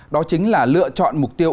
đó chính là lựa chọn mục tiêu